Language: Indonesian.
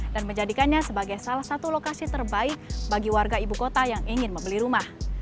dan menjadikannya sebagai salah satu lokasi terbaik bagi warga ibu kota yang ingin membeli rumah